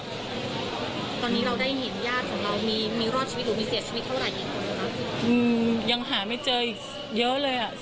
พูดสิทธิ์ข่าวธรรมดาทีวีรายงานสดจากโรงพยาบาลพระนครศรีอยุธยาครับ